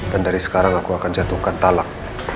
dari sekarang aku akan jatuhkan talak